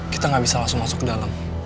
kita nggak bisa langsung masuk ke dalam